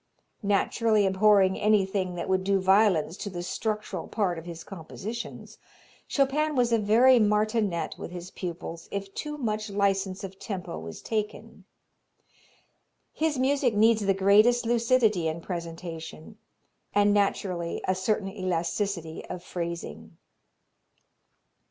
Naturally abhorring anything that would do violence to the structural part of his compositions, Chopin was a very martinet with his pupils if too much license of tempo was taken. His music needs the greatest lucidity in presentation, and naturally a certain elasticity of phrasing.